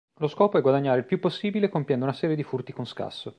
Lo scopo è guadagnare il più possibile compiendo una serie di furti con scasso.